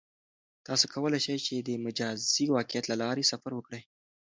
تاسو کولای شئ چې د مجازی واقعیت له لارې سفر وکړئ.